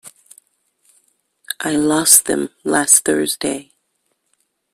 I lost them last Thursday.